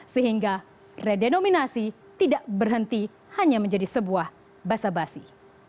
sehingga redenominasi tidak berhenti hanya menjadi sebuah basa basi